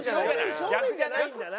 正面じゃないんだな。